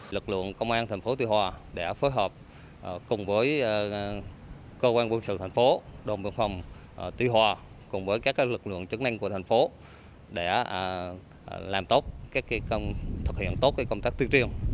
lực lượng công an thành phố tuy hòa đã phối hợp cùng với cơ quan quân sự thành phố đồng bộ phòng tuy hòa cùng với các lực lượng chứng minh của thành phố để làm tốt thực hiện tốt công tác tư triêng